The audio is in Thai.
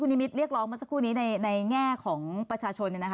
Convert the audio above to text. นิมิตเรียกร้องเมื่อสักครู่นี้ในแง่ของประชาชน